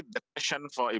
ada banyak pertanyaan